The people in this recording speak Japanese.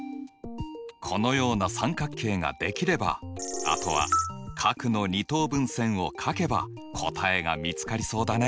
このような三角形ができればあとは角の二等分線を書けば答えが見つかりそうだね！